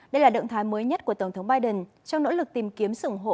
đây là động thái mới nhất của tổng thống biden trong nỗ lực tìm kiếm sửng hộ